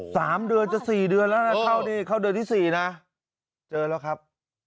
สามเดือนจะสี่เดือนแล้วนะเข้านี่เข้าเดือนที่สี่นะเจอแล้วครับ